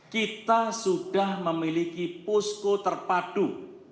kita sudah memiliki posko terpadu